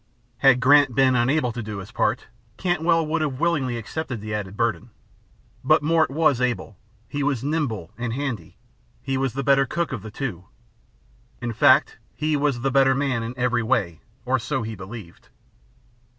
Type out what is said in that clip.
Had Grant been unable to do his part Cantwell would have willingly accepted the added burden, but Mort was able, he was nimble and "handy," he was the better cook of the two; in fact, he was the better man in every way or so he believed.